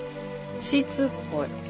しつこい。